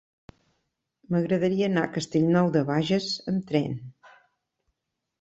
M'agradaria anar a Castellnou de Bages amb tren.